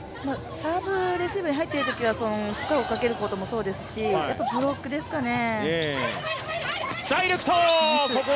サーブレシーブに入っているときは、負荷をかけることもそうですし、やはりブロックですかね。